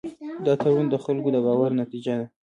دا تړون د خلکو د باور نتیجه ده.